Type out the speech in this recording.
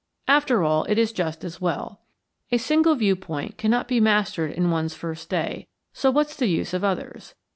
After all, it is just as well. A single viewpoint cannot be mastered in one's first day, so what's the use of others?